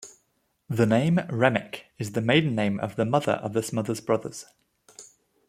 The name "Remick" is the maiden name of the mother of the Smothers Brothers.